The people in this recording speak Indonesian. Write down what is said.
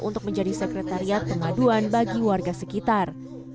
untuk menjadi sekretariat pengaduan bagi warga sekitar